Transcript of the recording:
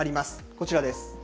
こちらです。